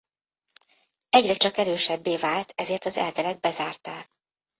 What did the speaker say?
Egyre csak erősebbé vált ezért az Elder-ek bezárták.